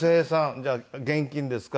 「じゃあ現金ですか？